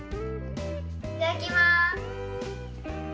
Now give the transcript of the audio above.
いただきます！